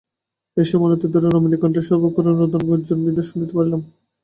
এমনসময়ে অনতিদূরে রমণীকণ্ঠের সকরুণ রোদনগুঞ্জনধ্বনি শুনিতে পাইলাম।